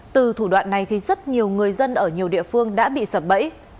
từ thủ đoạn này thì rất nhiều người dân ở nhiều địa phương đã bị sập bẫy